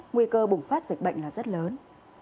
nguy cơ bùng phát dịch bệnh là rất lớn